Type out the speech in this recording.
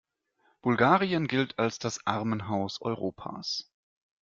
Bulgarien gilt als das Armenhaus Europas.